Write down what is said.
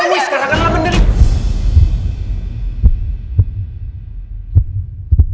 mas dewi sekarang akan menderita